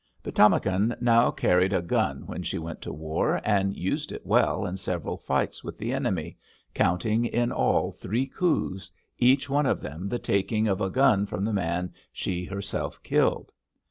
"Pi´tamakan now carried a gun when she went to war, and used it well in several fights with the enemy, counting in all three coups, each one of them the taking of a gun from the man she herself killed.